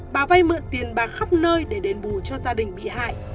bà vây mượn tiền bà khắp nơi để đền bù cho gia đình bị hại